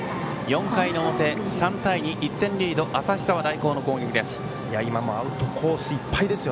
４回の表、３対２１点リード、旭川大高の攻撃です。